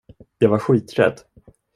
Jag var skiträdd!